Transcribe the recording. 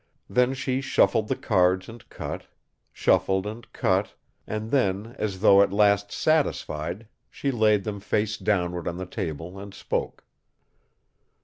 Then she shuffled the cards and cut, shuffled and cut, and then as though at last satisfied she laid them face downward on the table and spoke.